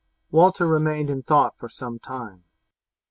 Walter remained in thought for some time.